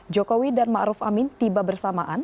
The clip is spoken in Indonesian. jokowi dan ma'ruf amin tiba bersamaan